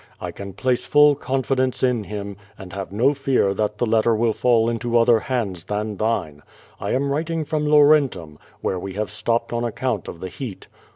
I can place full con fidence in him, and have no fear that the letter will fall into other hands than thine. I am writing from Laurentum, where we have stopped on account of the heat.